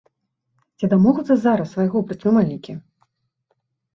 Ці дамогуцца зараз свайго прадпрымальнікі?